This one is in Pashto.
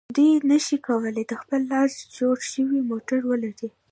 دوی نشي کولای د خپل لاس جوړ شوی موټر ولري.